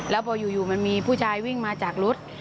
แล้วพออยู่มันมีผู้ชายวิ่งมาจากรถ